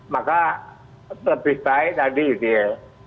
maka lebih baik tadi gitu ya